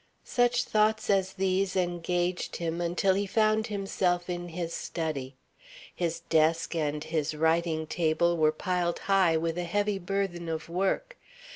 Such thoughts engaged him until he found himself in his study. His desk and his writing table were piled high with a heavy burthen of work.